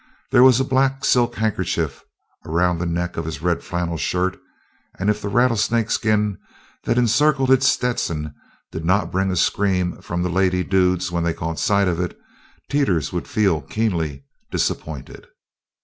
There was a black silk handkerchief around the neck of his red flannel shirt, and if the rattlesnake skin that encircled his Stetson did not bring a scream from the lady dudes when they caught sight of it, Teeters would feel keenly disappointed.